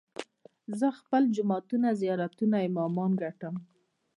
زه خپل جوماتونه، زيارتونه، امامان ګټم